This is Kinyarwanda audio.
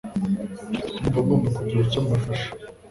Ndumva ngomba kugira icyo mfasha.